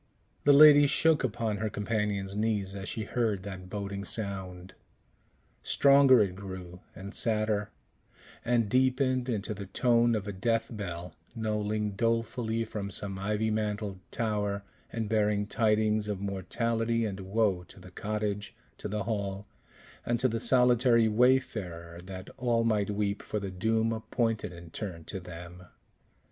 The lady shook upon her companion's knees as she heard that boding sound. Stronger it grew and sadder, and deepened into the tone of a death bell, knolling dolefully from some ivy mantled tower, and bearing tidings of mortality and woe to the cottage, to the hall, and to the solitary wayfarer that all might weep for the doom appointed in turn to them.